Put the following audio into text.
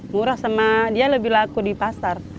murah sama dia lebih laku di pasar